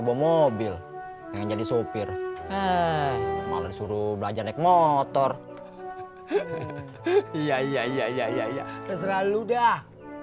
bawa mobil pengen jadi sopir eh malah suruh belajar naik motor iya iya iya iya iya terserah lu dah